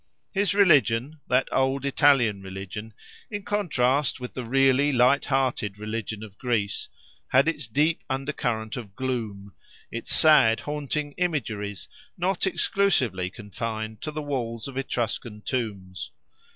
His religion, that old Italian religion, in contrast with the really light hearted religion of Greece, had its deep undercurrent of gloom, its sad, haunting imageries, not exclusively confined to the walls of Etruscan tombs.